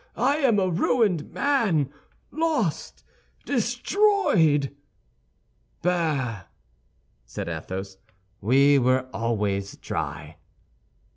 I am a ruined man, lost, destroyed!" "Bah," said Athos, "we were always dry."